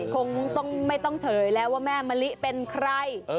คงไม่ต้องเฉยแล้วว่าแม่มะลิเป็นใคร